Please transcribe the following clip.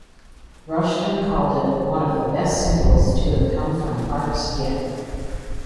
Rushton called it "one of the best singles to have come from Parks yet".